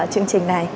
chương trình này